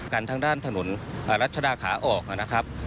กันทางด้านถนนรัชดาขาออกนะครับ